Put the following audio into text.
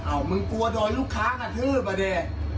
อ้าวมึงกลัวโดนลูกค้ากระทืบอ่ะเนี่ย